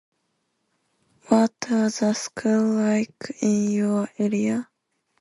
What does the sky look like in your area?